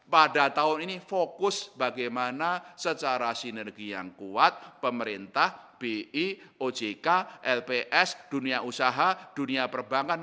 pada tahun ini fokus bagaimana secara sinergi yang kuat pemerintah bi ojk lps dunia usaha dunia perbankan